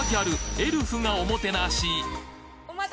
エルフがおもてなし来た！